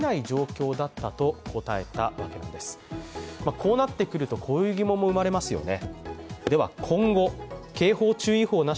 こうなってくると、こういう疑問も生まれますよね。